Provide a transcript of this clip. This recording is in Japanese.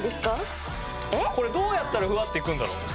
これどうやったらフワッていくんだろう？